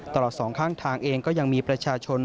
สองข้างทางเองก็ยังมีประชาชน